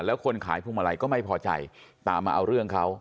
แล้วคนขายพวงมาลัยก็ไม่พอใจตามมาเอาเรื่องเขา